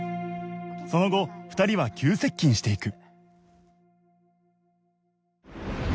その後２人は急接近していく